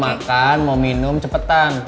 makan mau minum cepetan